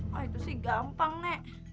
wah itu sih gampang nek